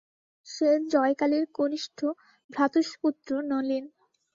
সে জয়কালীর কনিষ্ঠ ভ্রাতুষ্পুত্র নলিন।